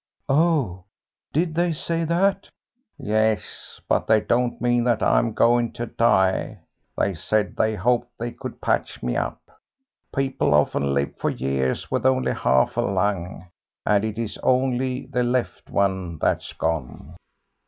"Oh, did they say that?" "Yes, but they don't mean that I'm going to die. They said they hoped they could patch me up; people often live for years with only half a lung, and it is only the left one that's gone."